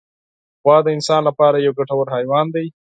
غوا د انسان له پاره یو ګټور حیوان دی.